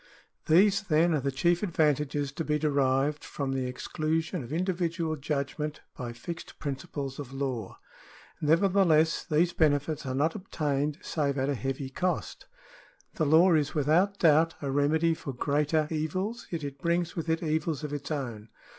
These then are the chief advantages to be derived from the exclusion of individual judgment by fixed principles of law. Nevertheless these benefits are not obtained save at a heavy cost. The law is without doubt a remedy for greater evils, yet it brings with it evils of its own.